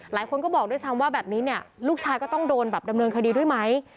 หลายคนก็บอกด้วยซ้ำว่าแบบนี้เนี่ยลูกชายก็ต้องโดนแบบดำเนินคดีด้วยไหม